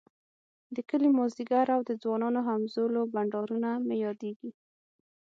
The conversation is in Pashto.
د کلي ماذيګر او د ځوانانو همزولو بنډارونه مي ياديږی